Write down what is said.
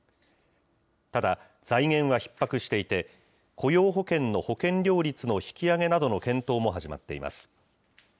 ただ、財源はひっ迫していて、雇用保険の保険料率の引き上げなどの検討も始まっています。